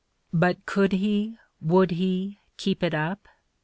But could he, would he, keep it up?